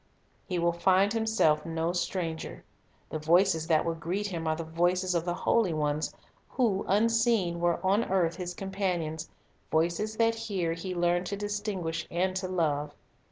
He will find himself no stranger. The voices that will greet him are the voices of the holy ones, who, unseen, were on earth his companions, — voices that here he learned to distinguish and to love.